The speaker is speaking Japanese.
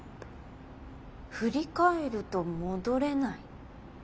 振り返ると戻れない。